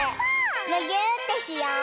むぎゅーってしよう！